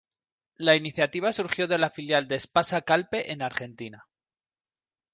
La iniciativa surgió de la filial de Espasa-Calpe en Argentina.